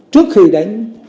trước khi đánh